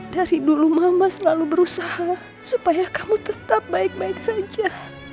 dari dulu mama selalu berusaha supaya kamu tetap baik baik saja